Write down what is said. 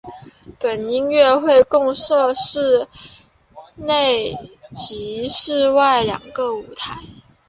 本音乐会共设室内及室外两个舞台。